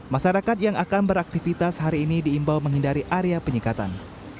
masyarakat yang akan beraktivitas hari ini diimbau menghindari area penyekatan